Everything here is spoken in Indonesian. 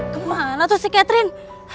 kemana tuh si catherine